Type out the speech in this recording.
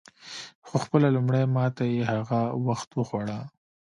خو خپله لومړۍ ماته یې هغه وخت وخوړه.